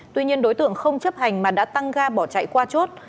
tuy nhiên đối tượng không chấp hành mà đã tăng ga bỏ chạy qua chốt